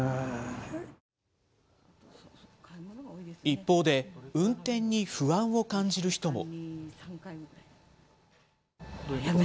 一方で、運転に不安を感じる人も。